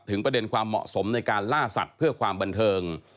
ประเด็นความเหมาะสมในการล่าสัตว์เพื่อความบันเทิง